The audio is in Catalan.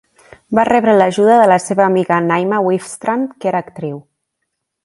Va rebre l'ajuda de la seva amiga Naima Wifstrand, que era actriu.